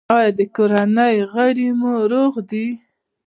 ایا د کورنۍ غړي مو روغ دي؟